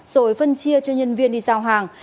rồi phân chia cho nhân viên đi giao hàng